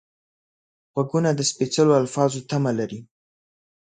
غوږونه د سپېڅلو الفاظو تمه لري